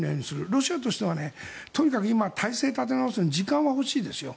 ロシアとしてはとにかく今、体勢を立て直すのに時間は欲しいですよ。